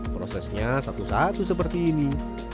prosesnya satu satu seperti ini